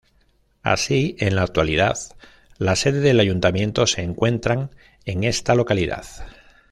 Así, en la actualidad, la sede del ayuntamiento se encuentran en esta localidad.